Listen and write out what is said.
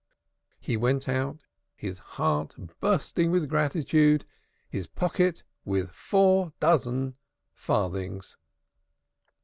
He went out, his heart bursting with gratitude, his pocket with four dozen farthings.